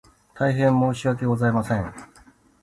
大変申し訳ございません